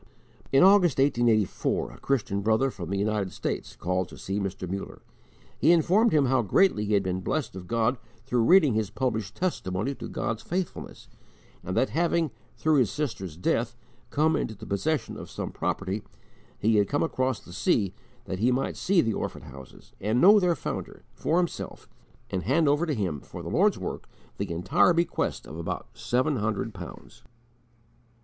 In August, 1884, a Christian brother from the United States called to see Mr. Muller. He informed him how greatly he had been blessed of God through reading his published testimony to God's faithfulness; and that having, through his sister's death, come into the possession of some property, he had come across the sea, that he might see the orphan houses and know their founder, for himself, and hand over to him for the Lord's work the entire bequest of about seven hundred pounds.